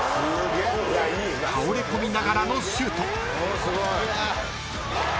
［倒れ込みながらのシュート］